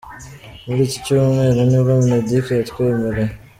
Muri iki cyumweru nibwo Mineduc yatwemereye.